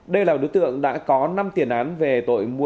đây là đối tượng đã có năm tiền án về tội mua